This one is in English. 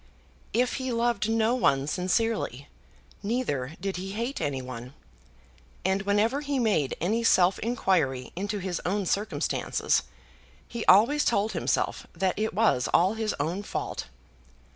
If he loved no one sincerely, neither did he hate any one; and whenever he made any self inquiry into his own circumstances, he always told himself that it was all his own fault.